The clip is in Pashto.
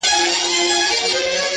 ما چي خیبر ته حماسې لیکلې!.